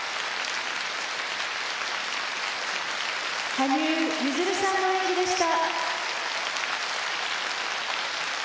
「羽生結弦さんの演技でした」